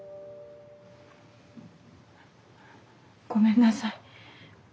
ごめんなさい。